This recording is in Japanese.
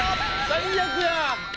最悪や！